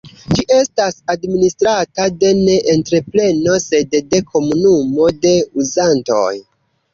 Ĝi estas administrata ne de entrepreno sed de komunumo de uzantoj.